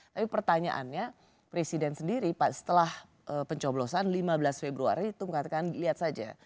tapi pertanyaannya presiden sendiri setelah pencoblosan lima belas februari itu mengatakan lihat saja